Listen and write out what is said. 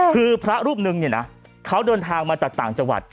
คือพระรูปนึงเนี่ยนะเขาเดินทางมาจากต่างจังหวัด